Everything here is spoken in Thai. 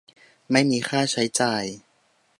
ไม่มีค่าใช้จ่าย